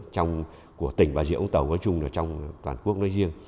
trong của tỉnh và diện ống tàu nói chung là trong toàn quốc nơi riêng